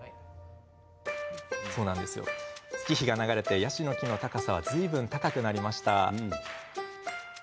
月日が流れ、ヤシの木の高さはずいぶん高くなりました。